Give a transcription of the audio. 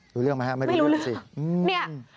รู้เรื่องไหมครับไม่รู้เรื่องสิ